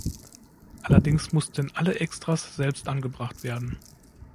Allerdings mussten alle Extras selbst angebracht werden.